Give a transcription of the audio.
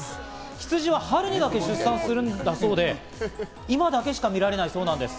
ヒツジは春にだけ出産するんだそうで、今だけしか見られないそうです。